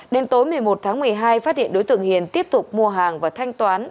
đến tối một mươi một tháng một mươi hai phát hiện đối tượng hiền tiếp tục mua hàng và thanh toán